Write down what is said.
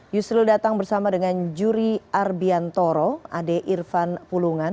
yusril datang bersama dengan juri arbian toro adik irfan pulungan